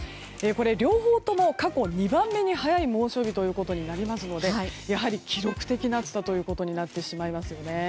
両方とも過去２番目に早い猛暑日となりますのでやはり記録的な暑さということになってしまいますね。